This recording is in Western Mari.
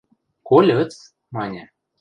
Кольыц? – маньы.